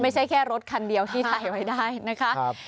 ไม่ใช่แค่รถคันเดียวที่ถ่ายไว้ได้นะคะ